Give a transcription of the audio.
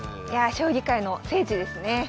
いやあ将棋界の聖地ですね。